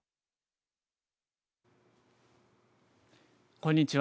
こんにちは。